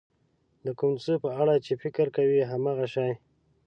د کوم څه په اړه چې فکر کوئ هماغه شی.